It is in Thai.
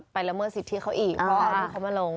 ไปละเมื่อสิทธิเขาอีกรอดูเขามาลง